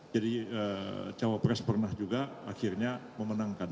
jadi cawapres pernah juga akhirnya memenangkan